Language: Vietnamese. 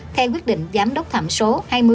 theo quyết định giám đốc thẩm số hai mươi